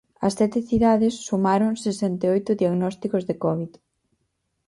As sete cidades sumaron sesenta e oito diagnósticos de covid.